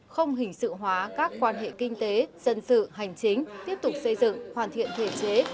không hình sự hóa các quan hệ kinh tế dân sự hành chính tiếp tục xây dựng hoàn thiện thể chế